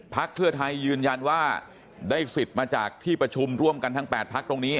ภักดิ์เพื่อไทยยืนยันว่าได้สิทธิ์มาจากที่ประชุมอยู่ร่วมทั้งปลาที่๘ภักดิ์ตรงนี้